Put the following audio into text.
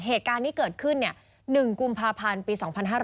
เหตุการณ์ที่เกิดขึ้น๑กุมภาพันธ์ปี๒๕๕๙